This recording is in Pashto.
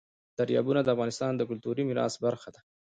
دریابونه د افغانستان د کلتوري میراث برخه ده.